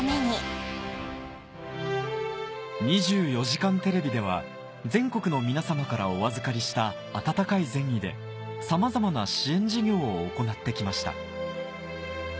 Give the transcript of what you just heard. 『２４時間テレビ』では全国の皆様からお預かりした温かい善意でさまざまな支援事業を行って来ました